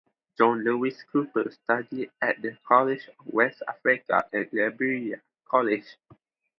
John Lewis Cooper studied at the College of West Africa and Liberia College.